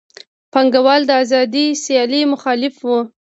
پانګوال د آزادې سیالۍ مخالف وو